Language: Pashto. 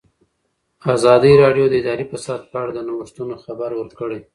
ازادي راډیو د اداري فساد په اړه د نوښتونو خبر ورکړی.